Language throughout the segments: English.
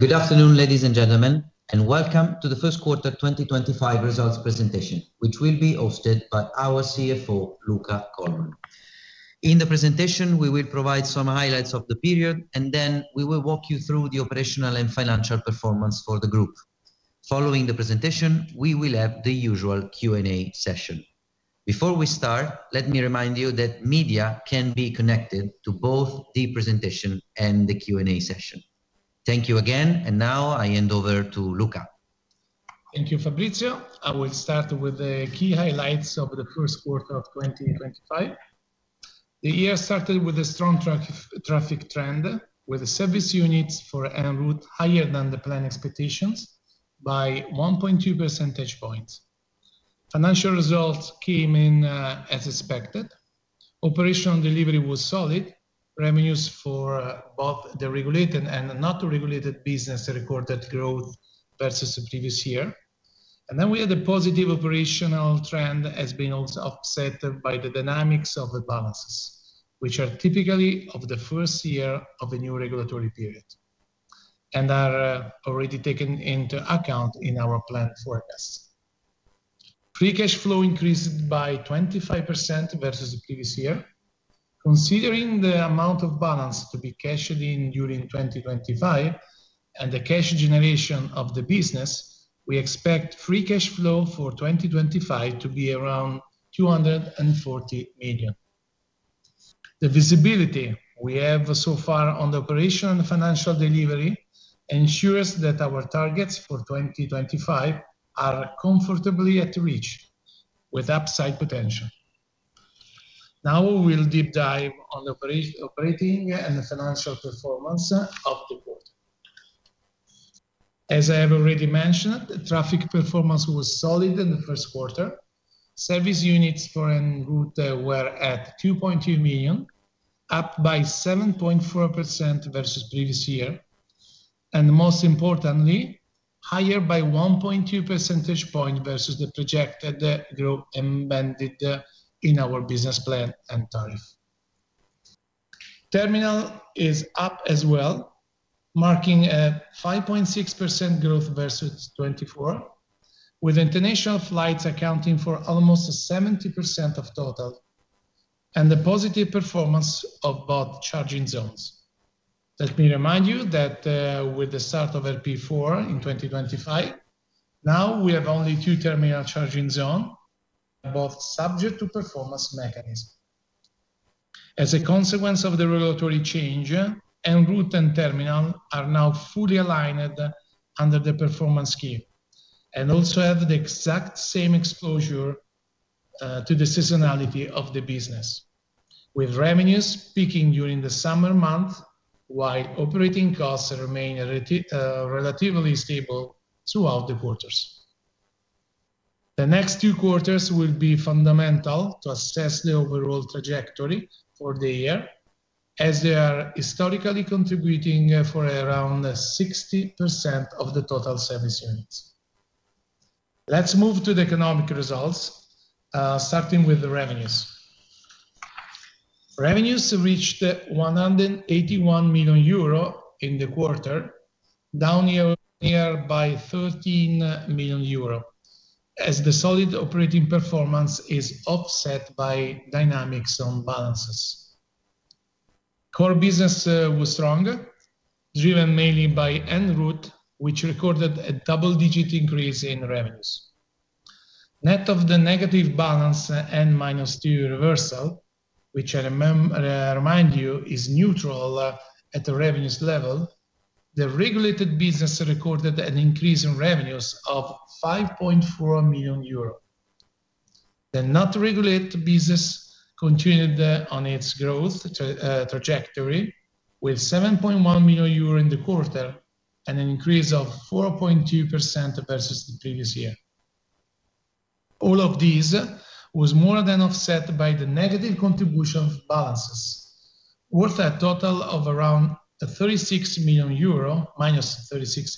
Good afternoon, ladies and gentlemen, and welcome to the first quarter 2025 results presentation, which will be hosted by our CFO, Luca Colman. In the presentation, we will provide some highlights of the period, and then we will walk you through the operational and financial performance for the group. Following the presentation, we will have the usual Q&A session. Before we start, let me remind you that media can be connected to both the presentation and the Q&A session. Thank you again, and now I hand over to Luca. Thank you, Fabrizio. I will start with the key highlights of the first quarter of 2025. The year started with a strong traffic trend, with service units for en route higher than the planned expectations by 1.2 percentage points. Financial results came in as expected. Operational delivery was solid. Revenues for both the regulated and not regulated business recorded growth versus the previous year. We had a positive operational trend, as been also offset by the dynamics of the balances, which are typically of the first year of a new regulatory period and are already taken into account in our planned forecasts. Free cash flow increased by 25% versus the previous year. Considering the amount of balance to be cashed in during 2025 and the cash generation of the business, we expect free cash flow for 2025 to be around 240 million. The visibility we have so far on the operational and financial delivery ensures that our targets for 2025 are comfortably at reach with upside potential. Now we'll deep dive on operating and the financial performance of the quarter. As I have already mentioned, traffic performance was solid in the first quarter. Service units for en route were at 2.2 million, up by 7.4% versus the previous year, and most importantly, higher by 1.2 percentage points versus the projected growth embedded in our business plan and tariff. Terminal is up as well, marking a 5.6% growth versus 2024, with international flights accounting for almost 70% of total and the positive performance of both charging zones. Let me remind you that with the start of LP4 in 2025, now we have only two terminal charging zones, both subject to performance mechanism. As a consequence of the regulatory change, en route and terminal are now fully aligned under the performance scheme and also have the exact same exposure to the seasonality of the business, with revenues peaking during the summer months while operating costs remain relatively stable throughout the quarters. The next two quarters will be fundamental to assess the overall trajectory for the year, as they are historically contributing for around 60% of the total service units. Let's move to the economic results, starting with the revenues. Revenues reached 181 million euro in the quarter, down year by 13 million euro, as the solid operating performance is offset by dynamics on balances. Core business was strong, driven mainly by en route, which recorded a double-digit increase in revenues. Net of the negative balance and minus two reversal, which I remind you is neutral at the revenues level, the regulated business recorded an increase in revenues of 5.4 million euros. The not regulated business continued on its growth trajectory with 7.1 million euro in the quarter and an increase of 4.2% versus the previous year. All of these was more than offset by the negative contribution of balances, worth a total of around -36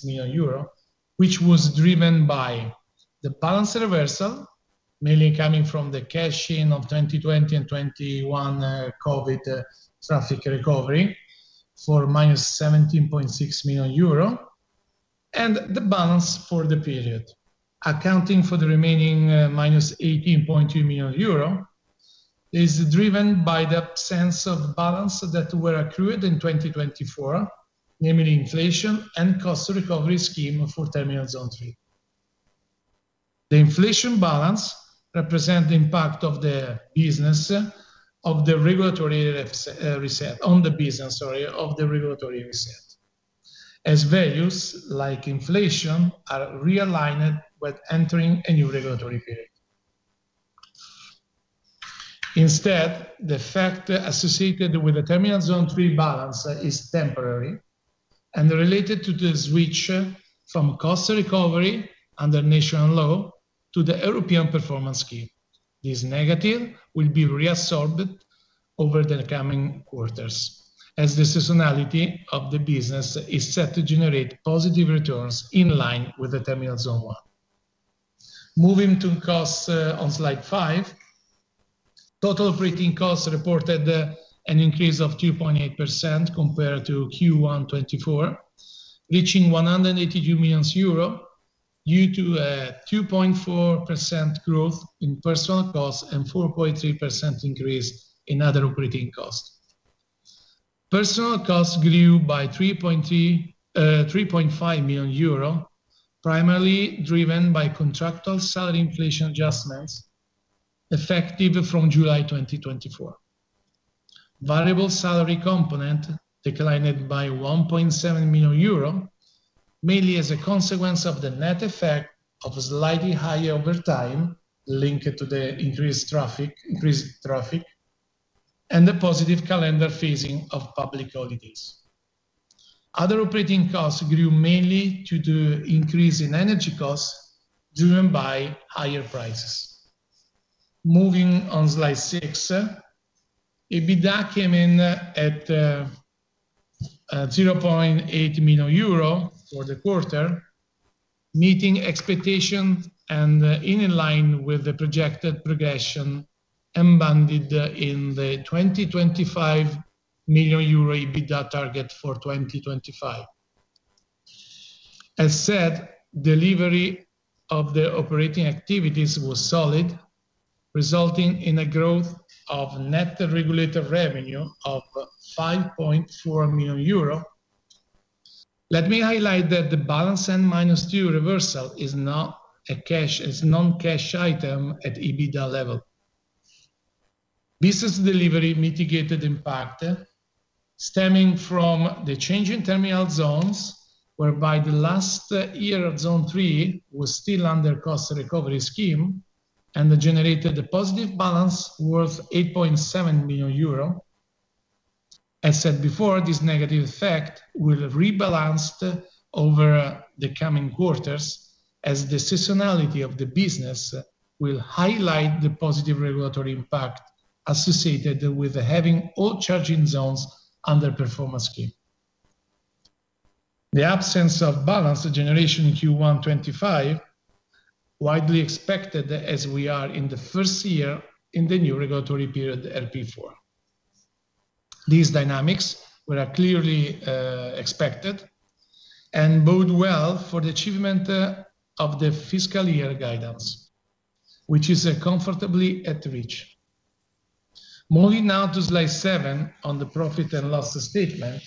million euro, which was driven by the balance reversal, mainly coming from the cash in of 2020 and 2021 COVID traffic recovery for -17.6 million euro, and the balance for the period, accounting for the remaining -18.2 million euro, is driven by the sense of balance that were accrued in 2024, namely inflation and cost recovery scheme for terminal zone three. The inflation balance represents the impact of the business of the regulatory reset on the business, sorry, of the regulatory reset, as values like inflation are realigned with entering a new regulatory period. Instead, the effect associated with the terminal zone three balance is temporary and related to the switch from cost recovery under national law to the European performance scheme. This negative will be reabsorbed over the coming quarters, as the seasonality of the business is set to generate positive returns in line with the terminal zone one. Moving to costs on slide five, total operating costs reported an increase of 2.8% compared to Q1 2024, reaching 182 million euro due to a 2.4% growth in personnel costs and 4.3% increase in other operating costs. Personnel costs grew by 3.5 million euro, primarily driven by contractual salary inflation adjustments effective from July 2024. Variable salary component declined by 1.7 million euro, mainly as a consequence of the net effect of slightly higher overtime linked to the increased traffic and the positive calendar phasing of public holidays. Other operating costs grew mainly due to the increase in energy costs driven by higher prices. Moving on slide six, EBITDA came in at 0.8 million euro for the quarter, meeting expectations and in line with the projected progression embedded in the 20.5 million euro EBITDA target for 2025. As said, delivery of the operating activities was solid, resulting in a growth of net regulated revenue of 5.4 million euro. Let me highlight that the balance and minus two reversal is not a cash, is non-cash item at EBITDA level. Business delivery mitigated impact stemming from the change in terminal zones, whereby the last year of zone three was still under cost recovery scheme and generated a positive balance worth 8.7 million euro. As said before, this negative effect will rebalance over the coming quarters, as the seasonality of the business will highlight the positive regulatory impact associated with having all charging zones under performance scheme. The absence of balance generation in Q1 2025 widely expected, as we are in the first year in the new regulatory period LP4. These dynamics were clearly expected and bode well for the achievement of the fiscal year guidance, which is comfortably at reach. Moving now to slide seven on the profit and loss statement,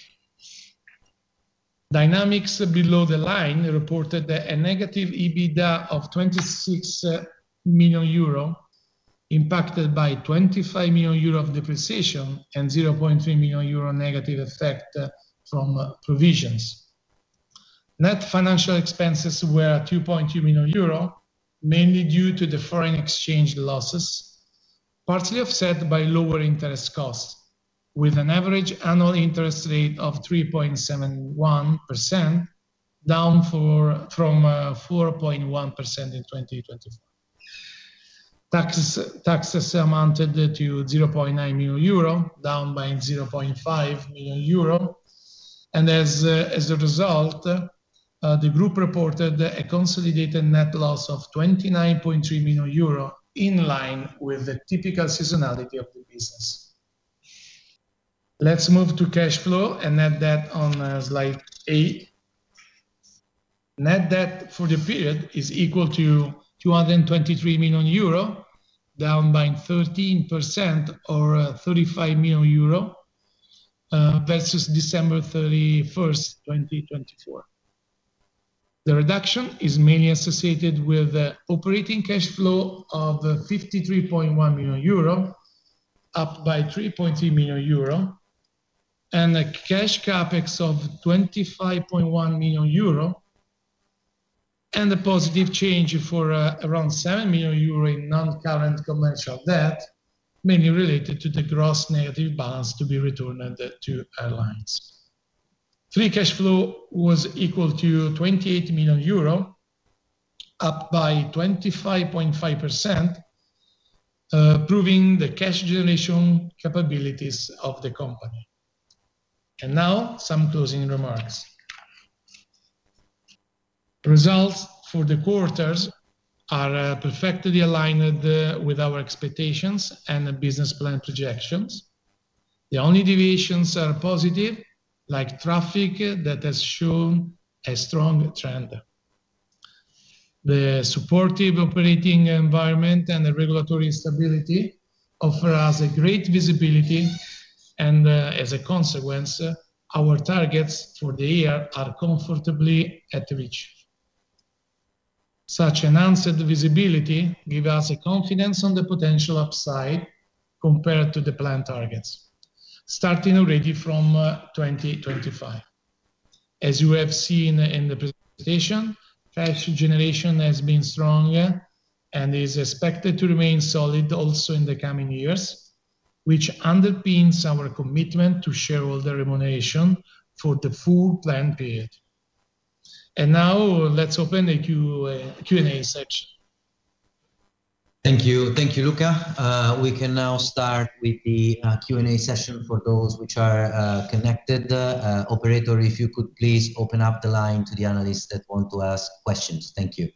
dynamics below the line reported a negative EBITDA of 26 million euro impacted by 25 million euro of depreciation and 0.3 million euro negative effect from provisions. Net financial expenses were 2.2 million euro, mainly due to the foreign exchange losses, partially offset by lower interest costs, with an average annual interest rate of 3.71%, down from 4.1% in 2024. Taxes amounted to 0.9 million euro, down by 0.5 million euro, and as a result, the group reported a consolidated net loss of 29.3 million euro in line with the typical seasonality of the business. Let's move to cash flow and net debt on slide eight. Net debt for the period is equal to 223 million euro, down by 13% or 35 million euro versus December 31, 2024. The reduction is mainly associated with operating cash flow of 53.1 million euro, up by 3.3 million euro, and a cash capex of 25.1 million euro, and a positive change for around 7 million euro in non-current commercial debt, mainly related to the gross negative balance to be returned to airlines. Free cash flow was equal to 28 million euro, up by 25.5%, proving the cash generation capabilities of the company. Now some closing remarks. Results for the quarters are perfectly aligned with our expectations and business plan projections. The only deviations are positive, like traffic that has shown a strong trend. The supportive operating environment and the regulatory stability offer us great visibility, and as a consequence, our targets for the year are comfortably at reach. Such enhanced visibility gives us confidence on the potential upside compared to the planned targets, starting already from 2025. As you have seen in the presentation, cash generation has been strong and is expected to remain solid also in the coming years, which underpins our commitment to shareholder remuneration for the full planned period. Now let's open the Q&A section. Thank you. Thank you, Luca. We can now start with the Q&A session for those which are connected. Operator, if you could please open up the line to the analysts that want to ask questions. Thank you.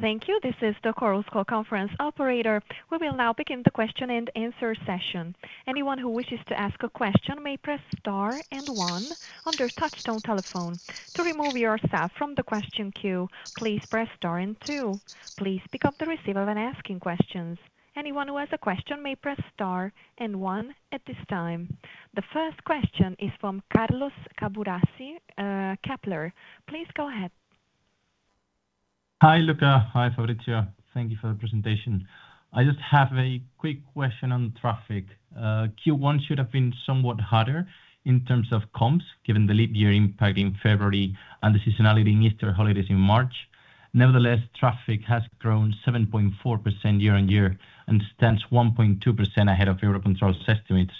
Thank you. This is the CorusCo conference operator. We will now begin the question and answer session. Anyone who wishes to ask a question may press star and one on their touchtone telephone. To remove yourself from the question queue, please press star and two. Please pick up the receiver when asking questions. Anyone who has a question may press star and one at this time. The first question is from Carlos Caburazzi, Kepler. Please go ahead. Hi, Luca. Hi, Fabrizio. Thank you for the presentation. I just have a quick question on traffic. Q1 should have been somewhat hotter in terms of comps given the leap year impact in February and the seasonality in Easter holidays in March. Nevertheless, traffic has grown 7.4% year on year and stands 1.2% ahead of Eurocontrol's estimates.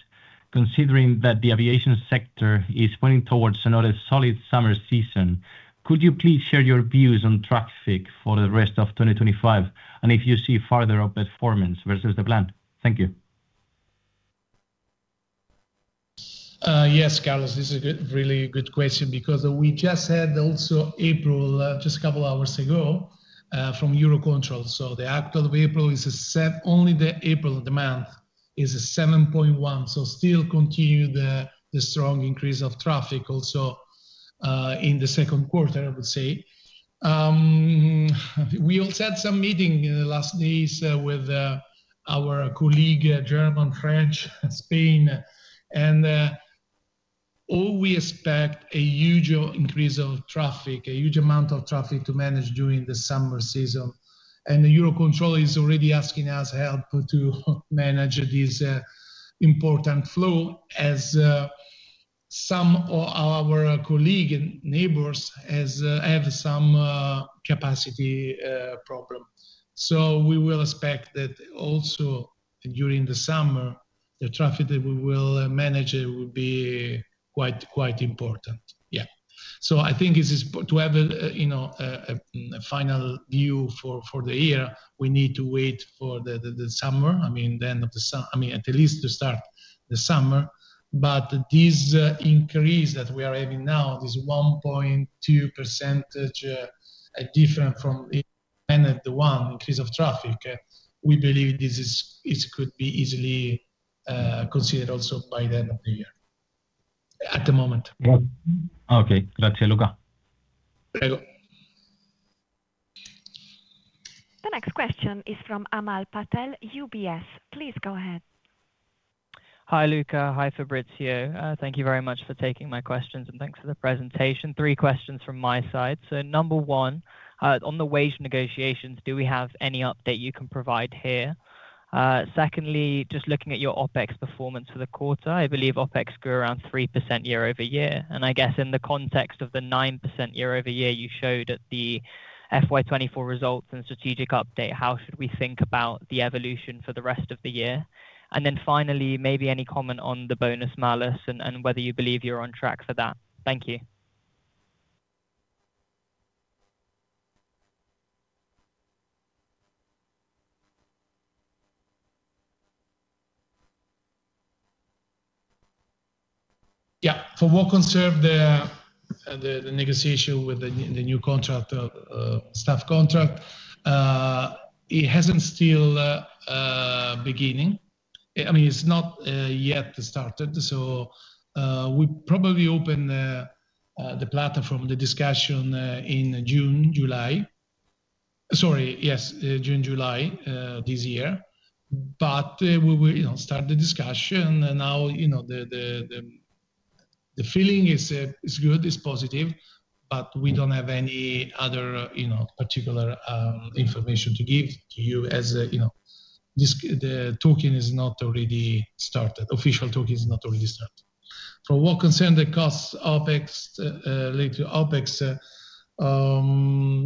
Considering that the aviation sector is pointing towards another solid summer season, could you please share your views on traffic for the rest of 2025 and if you see further up performance versus the plan? Thank you. Yes, Carlos, this is a really good question because we just had also April just a couple of hours ago from Eurocontrol. The actual April is a set, only the April demand is a 7.1%, so still continue the strong increase of traffic also in the second quarter, I would say. We also had some meetings in the last days with our colleague, German, French, Spain, and all we expect a huge increase of traffic, a huge amount of traffic to manage during the summer season. Eurocontrol is already asking us help to manage this important flow as some of our colleague and neighbors have some capacity problem. We will expect that also during the summer, the traffic that we will manage will be quite important. Yeah. I think to have a final view for the year, we need to wait for the summer, I mean, the end of the summer, I mean, at least to start the summer. This increase that we are having now, this 1.2% different from the end of the one increase of traffic, we believe this could be easily considered also by the end of the year at the moment. Okay. Grazie, Luca. The next question is from Amal Patel, UBS. Please go ahead. Hi, Luca. Hi, Fabrizio. Thank you very much for taking my questions and thanks for the presentation. Three questions from my side. Number one, on the wage negotiations, do we have any update you can provide here? Secondly, just looking at your OPEX performance for the quarter, I believe OPEX grew around 3% year over year. I guess in the context of the 9% year over year you showed at the FY2024 results and strategic update, how should we think about the evolution for the rest of the year? Finally, maybe any comment on the bonus malus and whether you believe you are on track for that? Thank you. Yeah. For what concerns the negotiation with the new staff contract, it hasn't still begun. I mean, it's not yet started. We probably open the platform, the discussion in June, July. Sorry, yes, June, July this year. We will start the discussion. Now the feeling is good, is positive, but we don't have any other particular information to give to you as the talking is not already started. Official talking is not already started. For what concerns the cost OpEx, related to OpEx,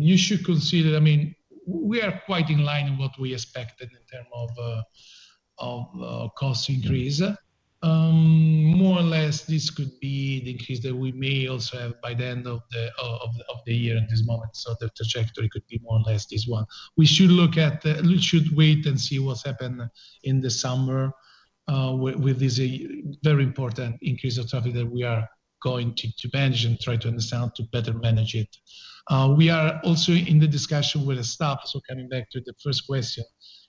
you should consider, I mean, we are quite in line with what we expected in terms of cost increase. More or less, this could be the increase that we may also have by the end of the year at this moment. The trajectory could be more or less this one. We should look at, we should wait and see what's happened in the summer with this very important increase of traffic that we are going to manage and try to understand how to better manage it. We are also in the discussion with the staff. Coming back to the first question,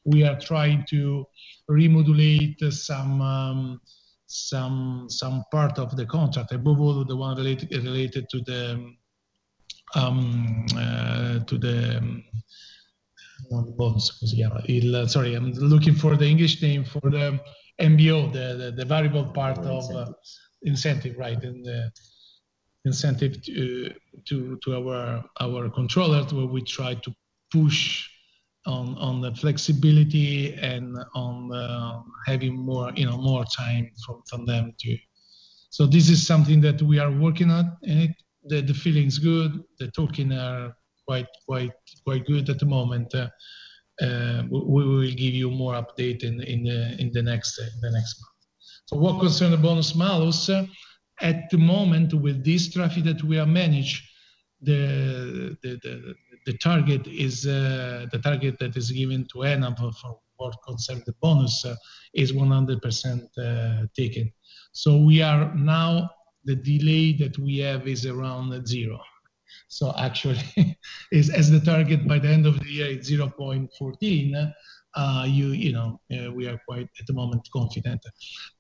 we are trying to remodulate some part of the contract. I bothered the one related to the, sorry, I'm looking for the English name for the MBO, the variable part of incentive, right, and the incentive to our controllers where we try to push on the flexibility and on having more time from them too. This is something that we are working on. The feeling is good. The talking are quite good at the moment. We will give you more update in the next month. For what concerns the bonus malus, at the moment, with this traffic that we have managed, the target that is given to ENAV for what concerns the bonus is 100% taken. We are now, the delay that we have is around zero. Actually, as the target by the end of the year, it is zero point four, we are quite at the moment confident.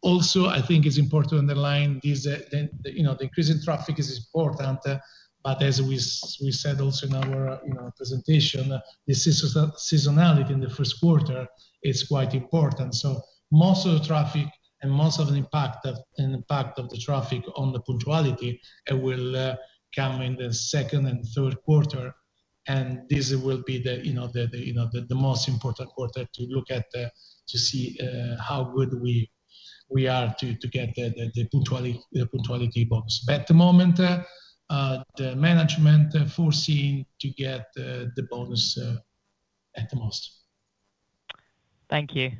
Also, I think it is important to underline the increase in traffic is important, but as we said also in our presentation, the seasonality in the first quarter is quite important. Most of the traffic and most of the impact of the traffic on the punctuality will come in the second and third quarter, and this will be the most important quarter to look at to see how good we are to get the punctuality bonus. At the moment, the management foreseen to get the bonus at the most. Thank you.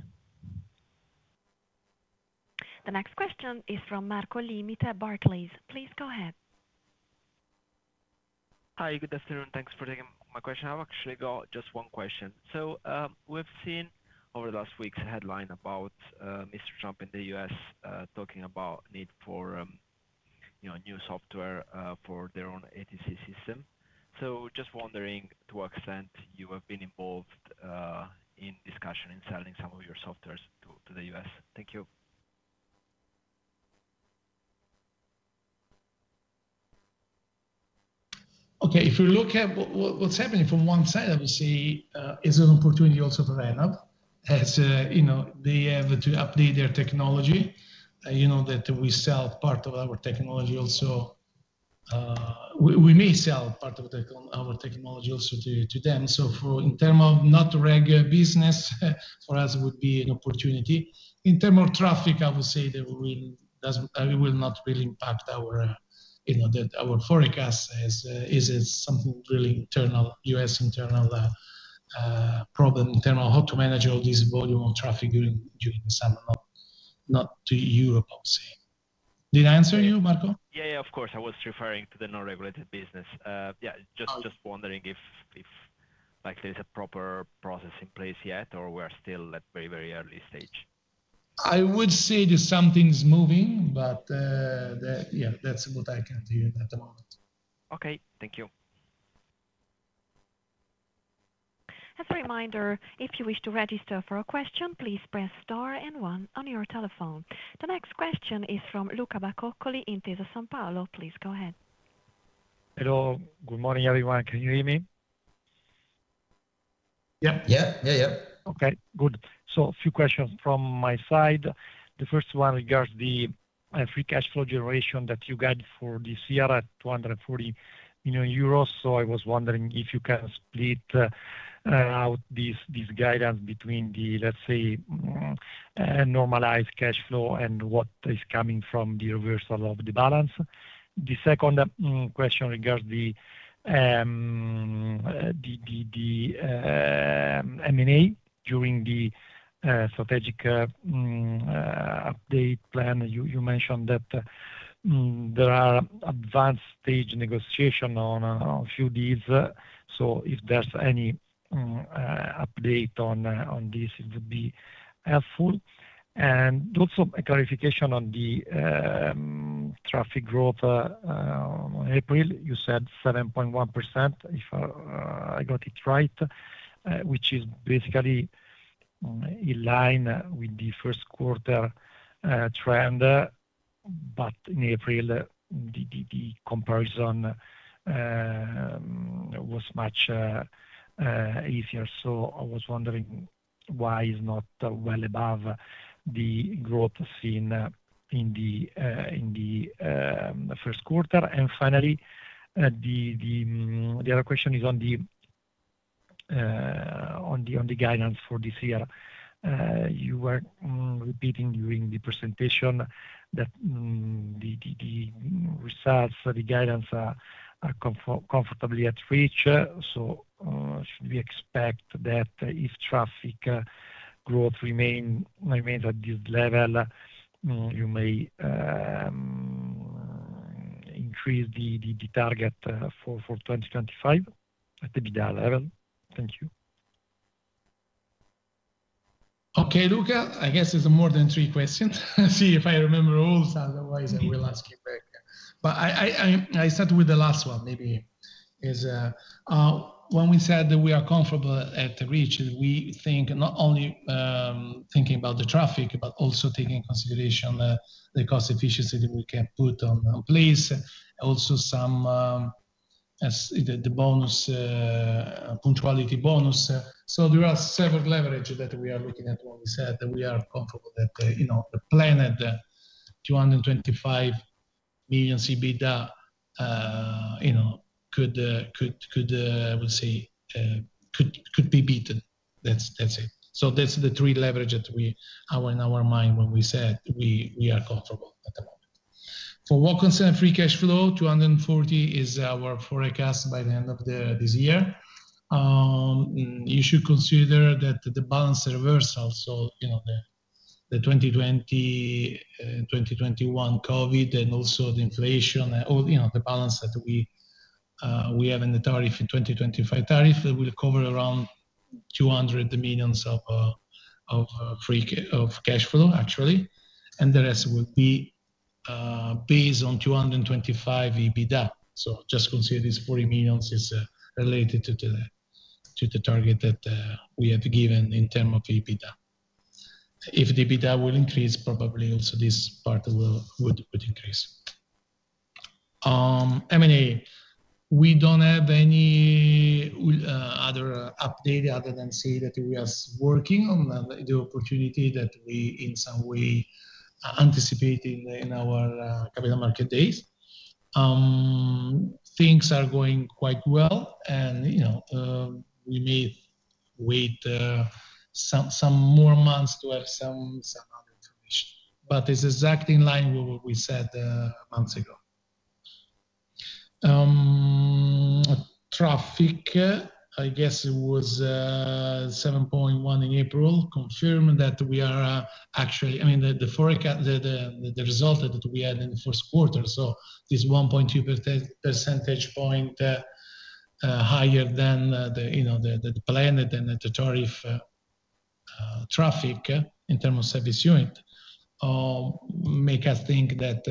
The next question is from Marco Limite Barclays. Please go ahead. Hi, good afternoon. Thanks for taking my question. I've actually got just one question. We have seen over the last weeks headline about Mr. Trump in the U.S. talking about need for new software for their own ATC system. I am just wondering to what extent you have been involved in discussion in selling some of your softwares to the U.S. Thank you. Okay. If we look at what's happening from one side, obviously, it's an opportunity also for ENAV as they have to update their technology. You know that we sell part of our technology also. We may sell part of our technology also to them. In terms of not a regular business, for us, it would be an opportunity. In terms of traffic, I would say that it will not really impact our forecast as it's something really internal, U.S. internal problem, internal how to manage all this volume of traffic during the summer. Not to Europe, I would say. Did I answer you, Marco? Yeah, yeah, of course. I was referring to the non-regulated business. Yeah, just wondering if there's a proper process in place yet or we're still at a very, very early stage. I would say that something's moving, but yeah, that's what I can hear at the moment. Okay. Thank you. As a reminder, if you wish to register for a question, please press star and one on your telephone. The next question is from Luca Bacocoli at Intesa Sanpaolo. Please go ahead. Hello. Good morning, everyone. Can you hear me? Yep. Yeah. Yeah. Okay. Good. A few questions from my side. The first one regards the free cash flow generation that you guide for this year at 240 million euros. I was wondering if you can split out this guidance between the, let's say, normalized cash flow and what is coming from the reversal of the balance. The second question regards the M&A during the strategic update plan. You mentioned that there are advanced stage negotiations on a few deals. If there's any update on this, it would be helpful. Also, a clarification on the traffic growth in April. You said 7.1%, if I got it right, which is basically in line with the first quarter trend, but in April, the comparison was much easier. I was wondering why it's not well above the growth seen in the first quarter. Finally, the other question is on the guidance for this year. You were repeating during the presentation that the results, the guidance are comfortably at reach. Should we expect that if traffic growth remains at this level, you may increase the target for 2025 at the EBITDA level? Thank you. Okay, Luca. I guess it's more than three questions. See if I remember all. Otherwise, I will ask you back. I start with the last one maybe. When we said that we are comfortable at reach, we think not only thinking about the traffic, but also taking into consideration the cost efficiency that we can put in place, also some as the bonus, punctuality bonus. There are several leverages that we are looking at when we said that we are comfortable that the planned 225 million CBD could, I would say, could be beaten. That's it. That's the three leverages in our mind when we said we are comfortable at the moment. For what concerns free cash flow, 240 million is our forecast by the end of this year. You should consider that the balance reversal, so the 2020, 2021 COVID, and also the inflation, the balance that we have in the tariff, the 2025 tariff, will cover around 200 million of cash flow, actually. The rest will be based on 225 million EBITDA. Just consider this 40 million is related to the target that we have given in terms of EBITDA. If the EBITDA will increase, probably also this part would increase. M&A, we do not have any other update other than say that we are working on the opportunity that we in some way anticipate in our capital market days. Things are going quite well, and we may wait some more months to have some other information. It is exactly in line with what we said months ago. Traffic, I guess it was 7.1% in April, confirming that we are actually, I mean, the result that we had in the first quarter. This 1.2 percentage point higher than the planned and the tariff traffic in terms of service unit make us think that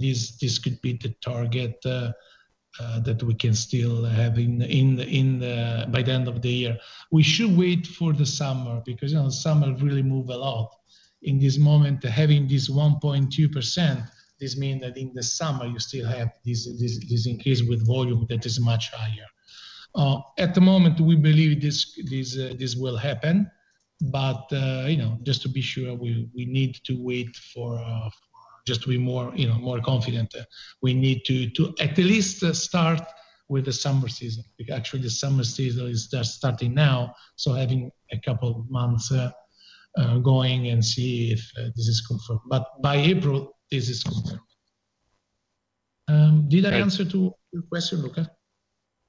this could be the target that we can still have by the end of the year. We should wait for the summer because summer really moves a lot. In this moment, having this 1.2%, this means that in the summer, you still have this increase with volume that is much higher. At the moment, we believe this will happen, but just to be sure, we need to wait for just to be more confident. We need to at least start with the summer season. Actually, the summer season is just starting now. Having a couple of months going and see if this is confirmed. By April, this is confirmed. Did I answer your question, Luca?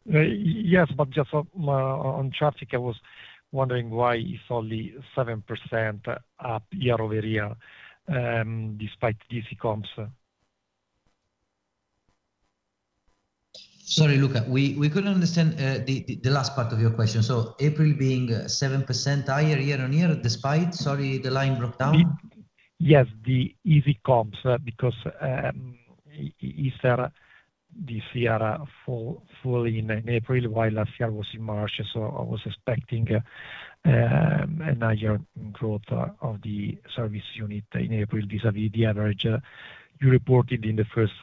Yes, but just on traffic, I was wondering why it's only 7% up year over year despite the easy comps. Sorry, Luca. We couldn't understand the last part of your question. Is April being 7% higher year on year despite—sorry, the line broke down? Yes, the easy comps because Easter this year fall in April, while last year was in March. I was expecting a higher growth of the service unit in April vis-à-vis the average you reported in the first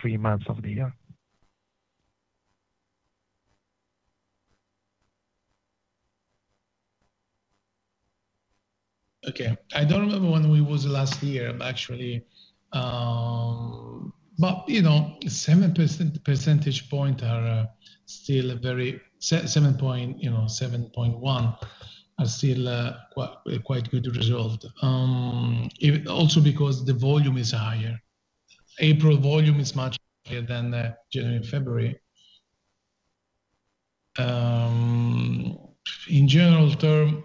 three months of the year. Okay. I do not remember where we were last year, but actually, 7 percentage points are still very, 7.1 are still quite good results. Also because the volume is higher. April volume is much higher than January and February. In general terms,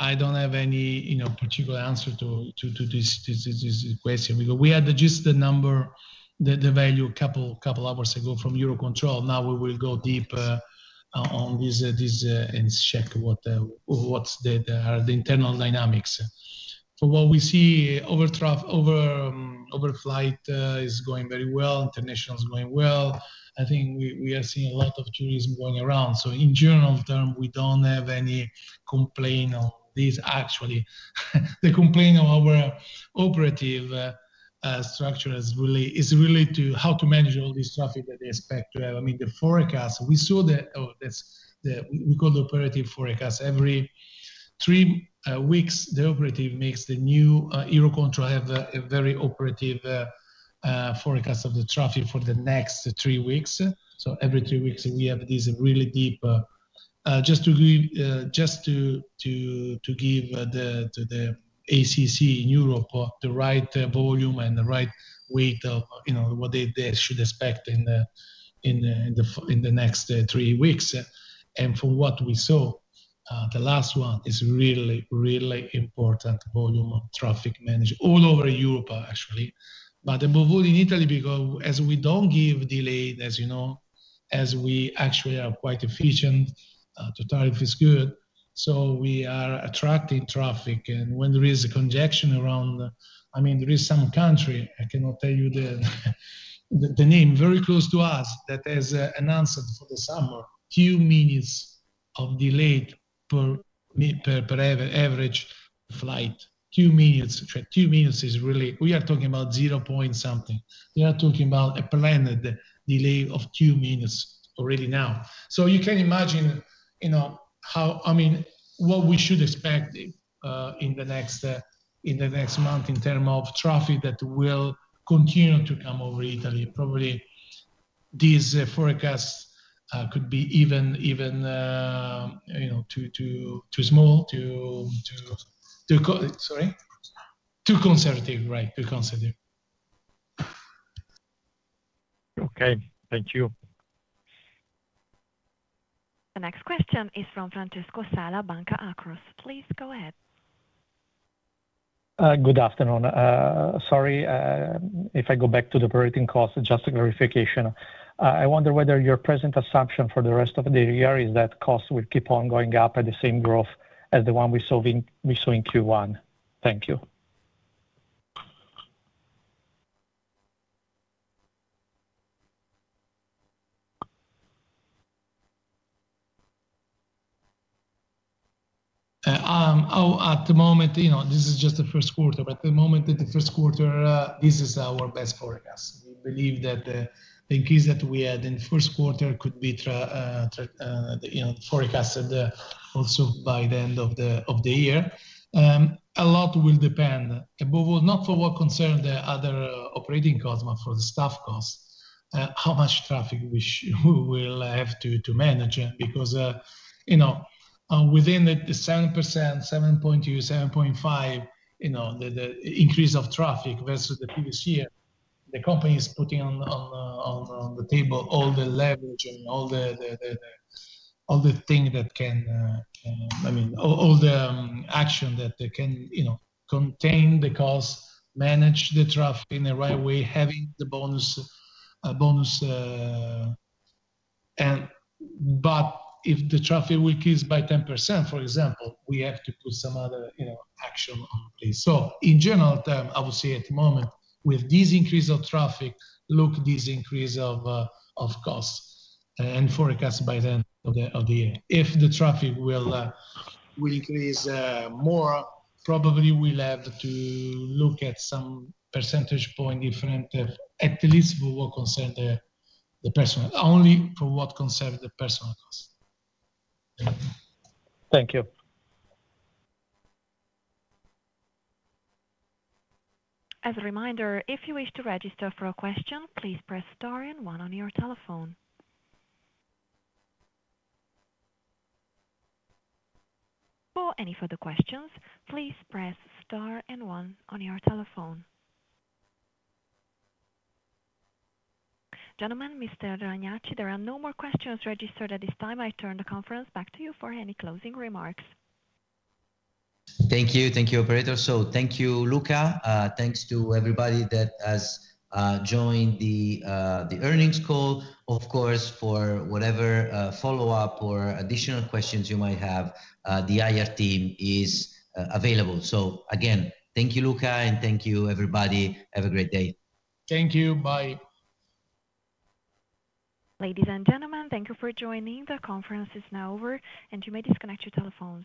I do not have any particular answer to this question because we had just the number, the value a couple of hours ago from Eurocontrol. Now we will go deep on this and check what are the internal dynamics. For what we see, overflight is going very well. International is going well. I think we are seeing a lot of tourism going around. In general terms, we do not have any complaint on this. Actually, the complaint of our operative structure is really how to manage all this traffic that they expect to have. I mean, the forecast, we saw that we call the operative forecast. Every three weeks, the operative makes the new Eurocontrol have a very operative forecast of the traffic for the next three weeks. Every three weeks, we have this really deep. Just to give the ACC in Europe the right volume and the right weight of what they should expect in the next three weeks. From what we saw, the last one is really, really important volume of traffic management all over Europe, actually. It will hold in Italy because as we do not give delay, as you know, as we actually are quite efficient, the tariff is good. We are attracting traffic. When there is a congestion around, I mean, there is some country, I cannot tell you the name, very close to us that has an answer for the summer. Few minutes of delay per average flight. Two minutes. Two minutes is really, we are talking about zero point something. They are talking about a planned delay of two minutes already now. You can imagine how, I mean, what we should expect in the next month in terms of traffic that will continue to come over Italy. Probably this forecast could be even too small, too conservative, right? Too conservative. Okay. Thank you. The next question is from Francesco Sala, Banca Akros. Please go ahead. Good afternoon. Sorry. If I go back to the operating cost, just a clarification. I wonder whether your present assumption for the rest of the year is that costs will keep on going up at the same growth as the one we saw in Q1. Thank you. Oh, at the moment, this is just the first quarter. But at the moment in the first quarter, this is our best forecast. We believe that the increase that we had in the first quarter could be forecasted also by the end of the year. A lot will depend, not for what concerns the other operating costs, but for the staff costs, how much traffic we will have to manage because within the 7%, 7.2%, 7.5%, the increase of traffic versus the previous year, the company is putting on the table all the leverage and all the things that can, I mean, all the action that can contain the costs, manage the traffic in the right way, having the bonus. But if the traffic will increase by 10%, for example, we have to put some other action on place. In general terms, I would say at the moment, with this increase of traffic, look at this increase of costs and forecast by the end of the year. If the traffic will increase more, probably we'll have to look at some percentage point difference, at least for what concerns the personnel, only for what concerns the personnel costs. Thank you. As a reminder, if you wish to register for a question, please press star and one on your telephone. For any further questions, please press star and one on your telephone. Gentlemen, Mr. Ragnacci, there are no more questions registered at this time. I turn the conference back to you for any closing remarks. Thank you. Thank you, Operator. Thank you, Luca. Thanks to everybody that has joined the earnings call. Of course, for whatever follow-up or additional questions you might have, the IR team is available. Thank you, Luca, and thank you, everybody. Have a great day. Thank you. Bye. Ladies and gentlemen, thank you for joining. The conference is now over, and you may disconnect your telephones.